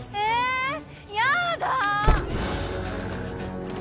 やだ！